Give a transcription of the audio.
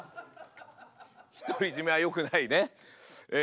独り占めはよくないね。